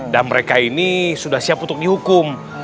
dan mereka ini sudah siap untuk dihukum